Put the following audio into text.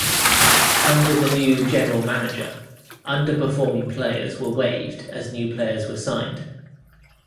Under the new general manager, underperforming players were waived as new players were signed.